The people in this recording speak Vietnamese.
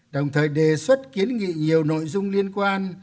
đồng thời đề xuất kiến nghị nhiều nội dung liên quan